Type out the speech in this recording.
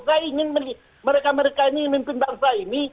saya ingin mereka mereka ini memimpin bangsa ini